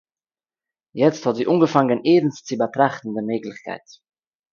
יעצט האָט זי אָנגעפאַנגען ערנסט צו באַטראַכטן די מעגליכקייט